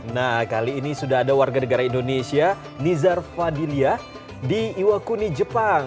nah kali ini sudah ada warga negara indonesia nizar fadilah di iwakuni jepang